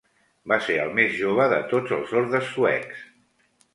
Va ser el més jove de tots els ordes suecs.